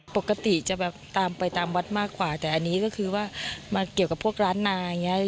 ปกติจะแบบตามไปตามวัดมากกว่าแต่อันนี้ก็คือว่ามาเกี่ยวกับพวกร้านนาอย่างนี้